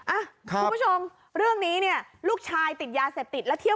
อ่ะคุณผู้ชมเรื่องเนี้ยลูกติดยาเศบติดแล้วเที่ยว